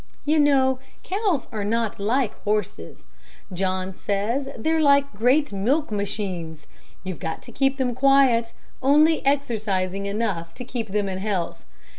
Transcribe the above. You know cows aren't like horses. John says they're like great milk machines. You've got to keep them quiet, only exercising enough to keep them in health.